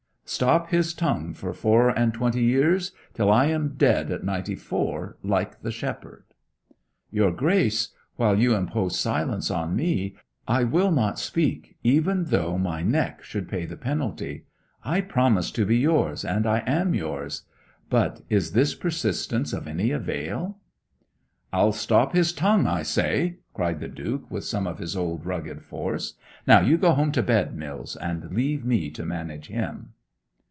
'Stop his tongue for four and twenty years till I am dead at ninety four, like the shepherd.' 'Your Grace while you impose silence on me, I will not speak, even though nay neck should pay the penalty. I promised to be yours, and I am yours. But is this persistence of any avail?' 'I'll stop his tongue, I say!' cried the Duke with some of his old rugged force. 'Now, you go home to bed, Mills, and leave me to manage him.'